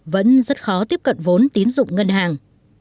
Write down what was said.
vẫn rất khó tiếp cận vốn tín dụng ngân hàng